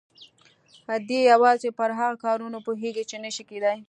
دی يوازې پر هغو کارونو پوهېږي چې نه شي کېدای.